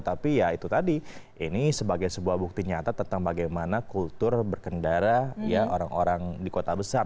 tapi ya itu tadi ini sebagai sebuah bukti nyata tentang bagaimana kultur berkendara orang orang di kota besar